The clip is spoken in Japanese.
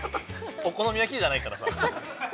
◆お好み焼きじゃないからさ。